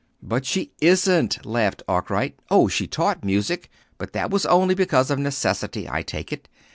"But she isn't," laughed Arkwright. "Oh, she taught music, but that was only because of necessity, I take it.